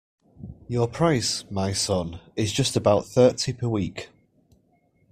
Your price, my son, is just about thirty per week.